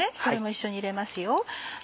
これも一緒に入れますよ。